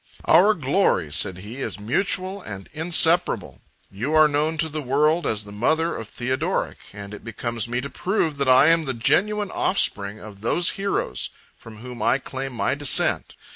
"Our glory," said he, "is mutual and inseparable. You are known to the world as the mother of Theodoric; and it becomes me to prove, that I am the genuine offspring of those heroes from whom I claim my descent."